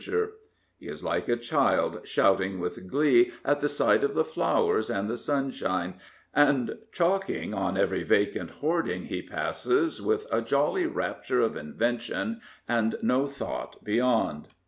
He is like a child shouting with glee at the sight of the flowers and the sunshine, and chalking on every vacant hoarding he passes with a jolly rapture of invention and no thought beyond.